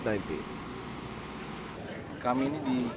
kami ini di